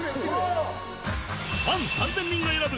ファン３０００人が選ぶ！